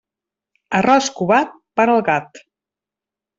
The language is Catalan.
Arròs covat, per al gat.